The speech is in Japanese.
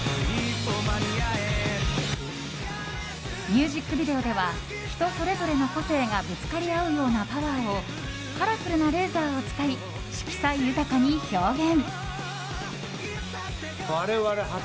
ミュージックビデオでは人それぞれの個性がぶつかり合うようなパワーをカラフルなレーザーを使い色彩豊かに表現。